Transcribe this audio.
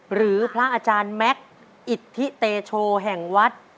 หรือพระอาจารย์แม็กซ์อิทธิเตโชแห่งวัด